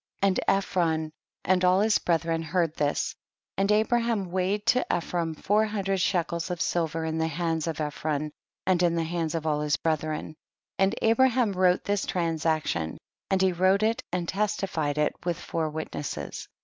7. And Ephron and all his breth ren heard this, and Abraham weigh ed to Ephron four hundred shekels of silver in the hands of Ephron and in the hands of all his brethren ; and Abraham wrote this transaction, and he wrote it and testified it with four witnesses.